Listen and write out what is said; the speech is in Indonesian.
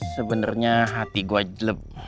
sebenernya hati gua jeleb